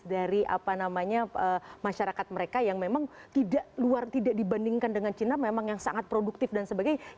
dari apa namanya masyarakat mereka yang memang tidak luar tidak dibandingkan dengan china memang yang sangat produktif dan sebagainya